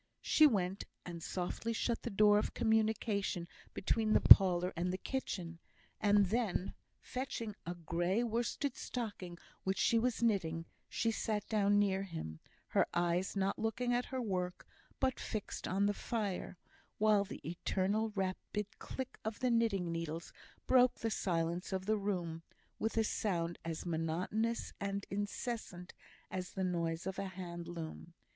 She went and softly shut the door of communication between the parlour and the kitchen; and then, fetching a grey worsted stocking which she was knitting, sat down near him, her eyes not looking at her work but fixed on the fire; while the eternal rapid click of the knitting needles broke the silence of the room, with a sound as monotonous and incessant as the noise of a hand loom.